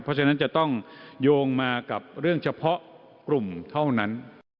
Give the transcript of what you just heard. เพราะฉะนั้นจะต้องโยงมากับเรื่องเฉพาะกลุ่มเท่านั้น